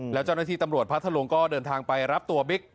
แล้วเจ้าหน้าที่ตำรวจพัทธรุงก็เดินทางไปรับตัวบิ๊ก